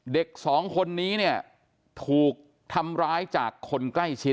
เด็กสองคนนี้เนี่ยถูกทำร้ายจากคนใกล้ชิด